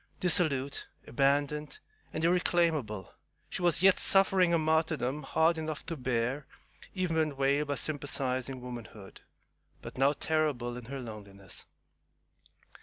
Dissolute, abandoned, and irreclaimable, she was yet suffering a martyrdom hard enough to bear even when veiled by sympathizing womanhood, but now terrible in her loneliness.